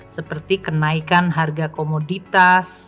seperti kenaikan harga komoditas